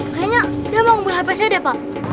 kayaknya dia mau ngumpul hp saya deh pak